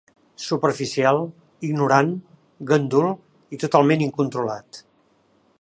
Superficial, ignorant, gandul i totalment incontrolat!